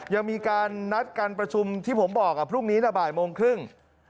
ยังมีการนัดการประชุมที่ผมบอกพรุ่งนี้นะบ่ายโมงครึ่ง